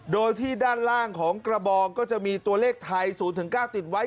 โดยที่ด้านล่างของกระบองก็จะมีตัวเลขไทย๐๙ติดไว้